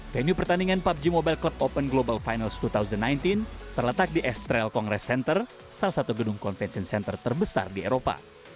venue pertandingan pubg mobile club open global finals dua ribu sembilan belas terletak di estrel congress center salah satu gedung convention center terbesar di eropa